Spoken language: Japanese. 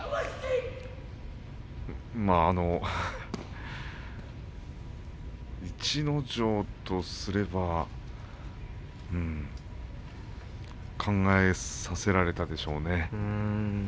まあ、あの逸ノ城とすれば考えさせられたでしょうね。